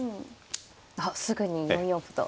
あっすぐに４四歩と。